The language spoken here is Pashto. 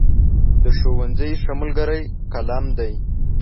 د ښوونځي ښه ملګری قلم دی.